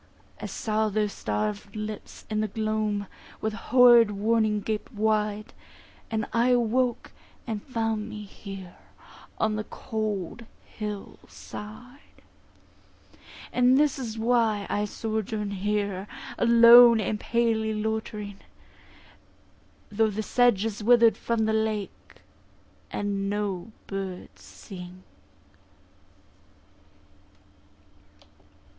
I saw their starved lips in the gloam With horrid warning gaped wide, And I awoke, and found me here On the cold hill side. And this is why I sojourn here, Alone and palely loitering; Though the sedge is wither'd from the lake, And no birds sing.